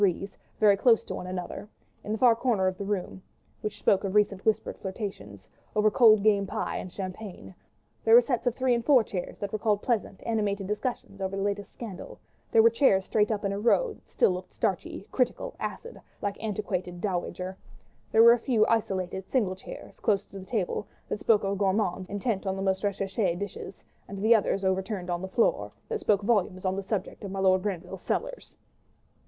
There were sets of two chairs—very close to one another—in the far corners of the room, which spoke of recent whispered flirtations, over cold game pie and champagne; there were sets of three and four chairs, that recalled pleasant, animated discussions over the latest scandals; there were chairs straight up in a row that still looked starchy, critical, acid, like antiquated dowagers; there were a few isolated, single chairs, close to the table, that spoke of gourmands intent on the most recherché dishes, and others overturned on the floor, that spoke volumes on the subject of my Lord Grenville's cellars.